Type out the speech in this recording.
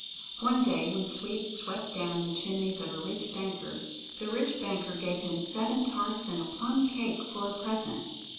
One day when Sweep swept down the chimneys of a rich baker, the rich baker gave him seven tarts and a plum cake, for a present.